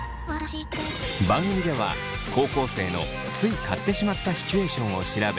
番組では高校生のつい買ってしまったシチュエーションを調べ